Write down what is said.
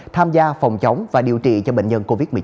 tham gia phòng chống và điều trị cho bệnh nhân covid một mươi chín